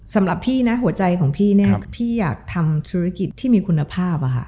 สำหรับพี่นะหัวใจของพี่เนี่ยพี่อยากทำธุรกิจที่มีคุณภาพ